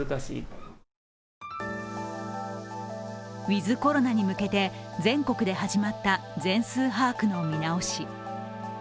ウィズ・コロナに向けて全国で始まった全数把握の見直し。